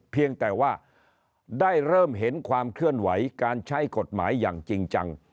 เพียงแต่ว่าได้เริ่มเห็นความเคลื่อนไหวการใช้กฎหมายอย่างจริงจัง